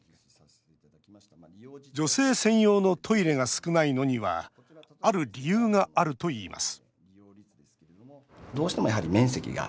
女性専用のトイレが少ないのにはある理由があるといいます